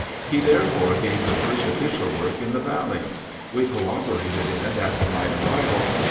He therefore gave the first official work in the valley. We coöperated in it after my arrival.